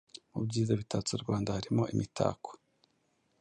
Mu byiza bitatse u Rwanda harimo imitako